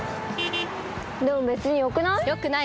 でも別によくない？